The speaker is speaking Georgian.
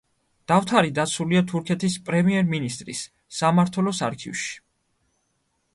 დავთარი დაცულია თურქეთის პრემიერ-მინისტრის სამმართველოს არქივში.